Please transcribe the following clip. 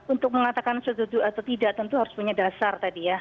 untuk mengatakan setuju atau tidak tentu harus punya dasar tadi ya